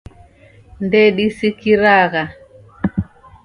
Ndesikiragha